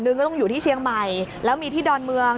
ก็ต้องอยู่ที่เชียงใหม่แล้วมีที่ดอนเมือง